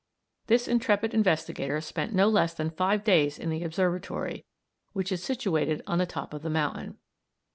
This intrepid investigator spent no less than five days in the observatory, which is situated on the top of the mountain.